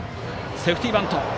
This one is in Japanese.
セーフティーバント。